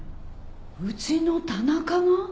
うちの田中が？